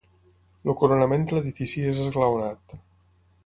El coronament de l'edifici és esglaonat.